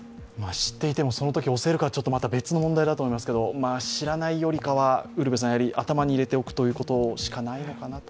知っていても、そのとき押せるかはまた別の問題だと思いますけれども、知らないよりかは頭に入れておくということしかないのかなと。